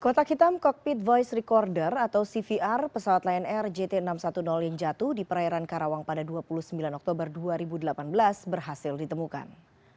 kotak hitam cockpit voice recorder atau cvr pesawat lion air jt enam ratus sepuluh yang jatuh di perairan karawang pada dua puluh sembilan oktober dua ribu delapan belas berhasil ditemukan